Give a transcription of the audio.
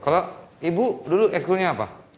kalau ibu dulu ekskulnya apa